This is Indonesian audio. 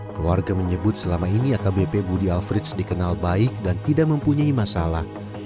keluarga menyebut selama ini akbp budi alfreds dikenal baik dan tidak mempunyai masalah